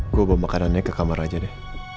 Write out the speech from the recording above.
gue bawa makanan naik ke kamar aja deh